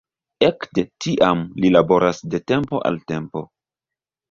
Ekde tiam li laboras de tempo al tempo.